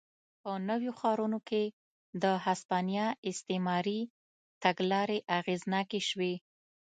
په نویو ښارونو کې د هسپانیا استعماري تګلارې اغېزناکې شوې.